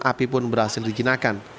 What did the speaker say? api pun berhasil dijinakkan